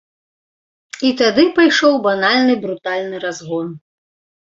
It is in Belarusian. І тады пайшоў банальны брутальны разгон.